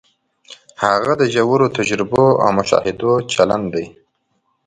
هغه د ژورو تجربو او مشاهدو چلن دی.